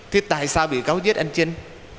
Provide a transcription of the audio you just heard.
thế tại sao vị cáo giết anh trinh